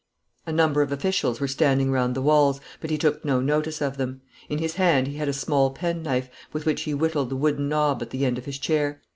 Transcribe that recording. A number of officials were standing round the walls, but he took no notice of them. In his hand he had a small penknife, with which he whittled the wooden knob at the end of his chair.